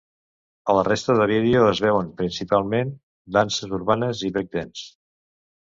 A la resta de vídeo es veuen principalment danses urbanes i break dance.